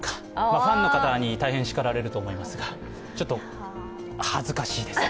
ファンの方に大変しかられると思いますが、ちょっと恥ずかしいですね。